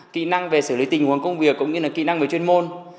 kỹ năng về xử lý tình huống công việc cũng như là kỹ năng về chuyên môn